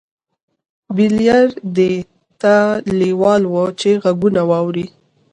بليير دې ته لېوال و چې غږونه واوري.